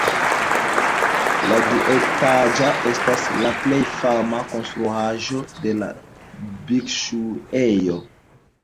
La duetaĝa estas la plej fama konstruaĵo de la bikŝuejo.